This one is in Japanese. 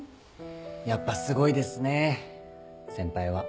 やっぱすごいですね先輩は。